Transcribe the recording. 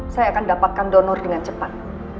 saya akan dapatkan donor dengan cepat